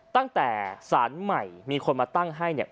ตั้งแต่สารใหม่มีคนมาตั้งให้เนี่ย